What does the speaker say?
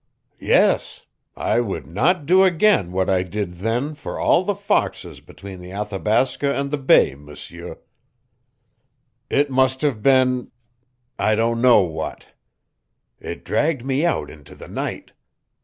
"Yes. I would not do again what I did then for all the foxes between the Athabasca and the Bay, M'sieu. It must have been I don't know what. It dragged me out into the night.